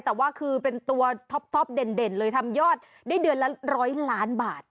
แต่ว่าคือเป็นตัวท็อปเด่นเลยทำยอดได้เดือนละ๑๐๐ล้านบาท